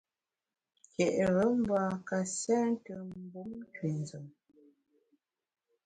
Ke’re mbâ ka sente mbum nkünzùm.